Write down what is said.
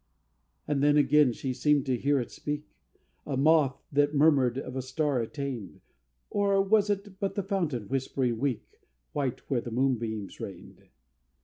And then again she seemed to hear it speak, A moth that murmured of a star attained, Or was it but the fountain whispering weak, White where the moonbeams rained?